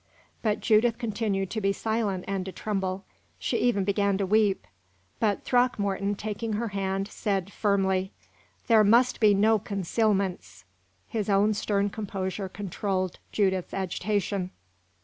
But Judith continued to be silent and to tremble. She even began to weep; but Throckmorton, taking her hand, said, firmly: "There must be no concealments." His own stern composure controlled Judith's agitation.